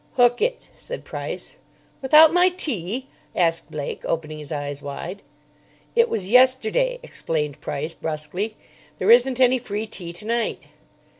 "Hook it!" said Price. "Without my tea?" asked Blake, opening his eyes wide. "It was yesterday," explained Price, brusquely. "There isn't any free tea tonight."